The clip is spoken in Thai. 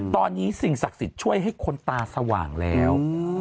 ตอนนี้สิ่งศักดิ์สิทธิ์ช่วยให้คนตาสว่างแล้ว